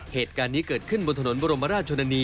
เหตุการณ์นี้เกิดขึ้นบนถนนบรมราชชนนานี